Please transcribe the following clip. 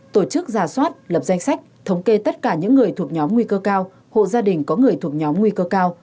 tổ chức giả soát lập danh sách thống kê tất cả những người thuộc nhóm nguy cơ cao hộ gia đình có người thuộc nhóm nguy cơ cao